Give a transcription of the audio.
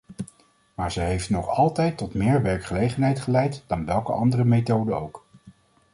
Maar ze heeft nog altijd tot meer werkgelegenheid geleid dan welke andere methode ook.